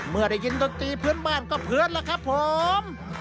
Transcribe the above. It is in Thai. เมื่อได้ยินดนตรีพื้นบ้านก็เพื่อนล่ะครับผม